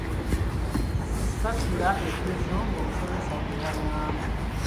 Ssaatuula bigezo ng’omusomesa bwe yangamba